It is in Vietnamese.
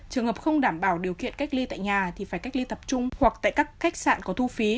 trường hợp không đảm bảo điều kiện cách ly tại nhà thì phải cách ly tập trung hoặc tại các khách sạn có thu phí